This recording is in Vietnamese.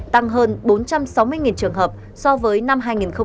tăng hơn bốn trăm sáu mươi trường hợp so với năm hai nghìn hai mươi hai